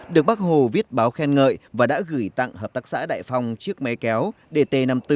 được bác hồ viết báo khen ngợi và đã gửi tặng hợp tác xã đại phong chiếc máy kéo dt năm mươi bốn